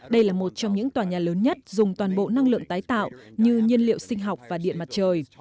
đây là một trong những tòa nhà lớn nhất dùng toàn bộ năng lượng tái tạo như nhiên liệu sinh học và điện mặt trời